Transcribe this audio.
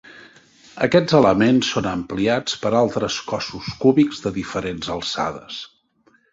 Aquests elements són ampliats per altres cossos cúbics de diferents alçades.